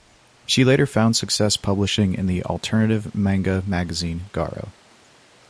She later found success publishing in the alternative manga magazine Garo.